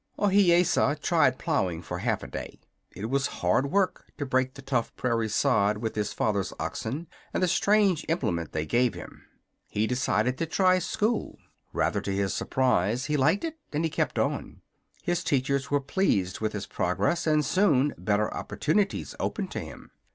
Ohiyesa tried plowing for half a day. It was hard work to break the tough prairie sod with his father's oxen and the strange implement they gave him. He decided to try school. Rather to his surprise, he liked it, and he kept on. His teachers were pleased with his progress, and soon better opportunities opened to him.